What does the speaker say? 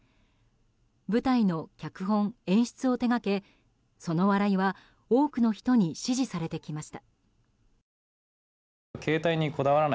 舞台の脚本・演出を手掛けその笑いは多くの人に支持されてきました。